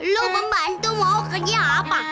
lo pembantu mau kerja apa